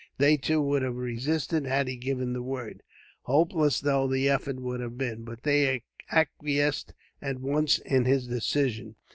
They, too, would have resisted, had he given the word, hopeless though the effort would have been. But they acquiesced, at once, in his decision.